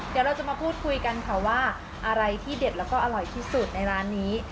เดี๋ยวเราจะมาพูดคุยกันค่ะว่าอะไรที่เด็ดแล้วก็อร่อยที่สุดในร้านนี้